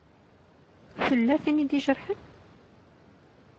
Tella tin i d-ijerḥen?